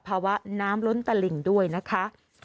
ภาวะน้ำล้นตะหลิ่งด้วยนะคะ